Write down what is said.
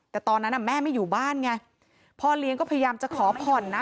แต่ตอนนั้นแม่ไม่อยู่บ้านไงพ่อเลี้ยงก็พยายามจะขอผ่อนนะ